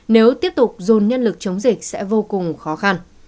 nếu tiếp tục dồn nhân lực chống dịch sẽ vô cùng khó khăn